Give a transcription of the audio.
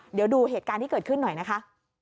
เดี๋ยวดูเหตุการณ์ที่เกิดขึ้นหน่อยนะคะ